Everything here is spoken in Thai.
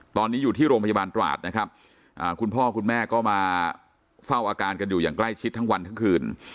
ตอนนี้อยู่ที่โรงพยาบาลตราดนะครับคุณพ่อคุณแม่ก็มาเฝ้าอาการกันอยู่อย่างใกล้ชิดทั้งวันทั้งคืน